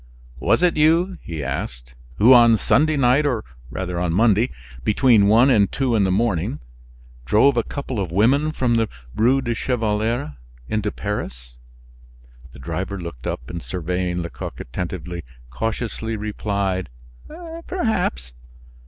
"Was it you," he asked, "who, on Sunday night or rather on Monday, between one and two in the morning, drove a couple of women from the Rue du Chevaleret into Paris?" The driver looked up, and surveying Lecoq attentively, cautiously replied: "Perhaps."